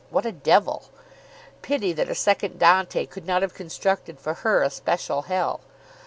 What a devil! Pity that a second Dante could not have constructed for her a special hell.